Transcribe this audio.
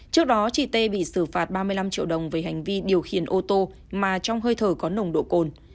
trước đó chị tê bị xử phạt ba mươi năm triệu đồng về hành vi điều khiển ô tô mà trong hơi thở có nồng độ cồn